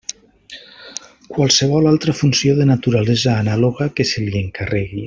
Qualsevol altra funció de naturalesa anàloga que se li encarregui.